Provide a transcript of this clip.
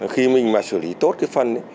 khi mình mà xử lý tốt cái phân